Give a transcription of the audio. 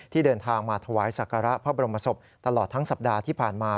เดินทางมาถวายศักระพระบรมศพตลอดทั้งสัปดาห์ที่ผ่านมา